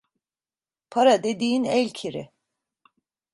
Para dediğin el kiri.